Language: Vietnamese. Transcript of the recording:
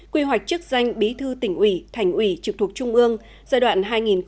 quy hoạch chức danh bí thư tỉnh ủy thành ủy trực thuộc trung ương giai đoạn hai nghìn hai mươi một hai nghìn hai mươi năm